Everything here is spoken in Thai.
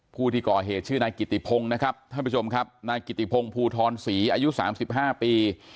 ผู้ที่ก่อเหตุชื่อนายกิติพงศ์นะครับท่านผู้ชมครับนายกิติพงศ์ภูทรศรีอายุ๓๕ปี